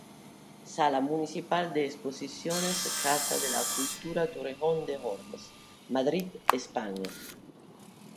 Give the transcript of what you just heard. Sala municipal de exposiciones Casa de la cultura Torrejón de Ardoz, Madrid, España.